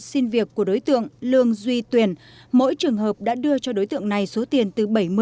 xin việc của đối tượng lương duy tuyển mỗi trường hợp đã đưa cho đối tượng này số tiền từ bảy mươi